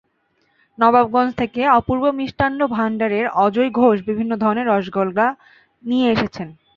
নবাবগঞ্জ থেকে অপূর্ব মিষ্টান্ন ভান্ডারের অজয় ঘোষ বিভিন্ন ধরনের রসগোল্লা নিয়ে এসেছেন।